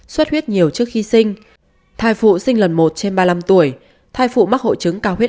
suốt huyết nhiều trước khi sinh thai phụ sinh lần một trên ba mươi năm tuổi thai phụ mắc hội chứng cao huyết